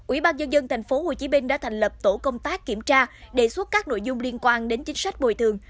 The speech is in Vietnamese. ubnd tp hcm đã thành lập tổ công tác kiểm tra đề xuất các nội dung liên quan đến chính sách bồi thường